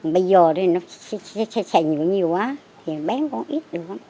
bây giờ thì xe nhựa nhiều quá thì bén cũng ít được